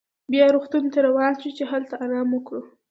بیا روغتون ته روان شوو چې هلته ارام وکړو.